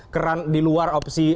keran di luar opsi